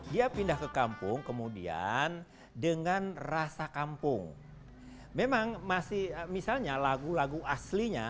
dia pindah ke kampung kemudian dengan rasa kampung memang masih misalnya lagu lagu aslinya